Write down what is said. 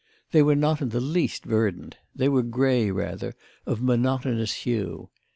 They were not in the least verdant; they were grey rather, of monotonous hue.